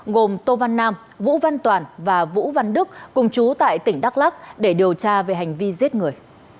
gồm tô văn nam vũ văn toàn và vũ văn đức cùng chú tại tỉnh đắk lắc để điều tra về hành vi giết người